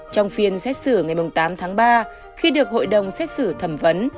trong phiên xét xử ngày tám tháng ba khi được hội đồng xét xử thẩm vấn